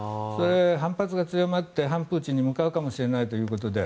反発が強まって反プーチンに向かうかもしれないということで。